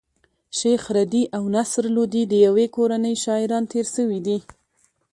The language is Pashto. شېخ رضي او نصر لودي د ېوې کورنۍ شاعران تېر سوي دي.